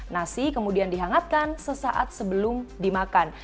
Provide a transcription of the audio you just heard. nasi kemudian dihangatkan sesaat sebelum dimakan